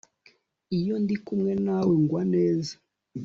iyo ndi kumwe nawe ngwa neza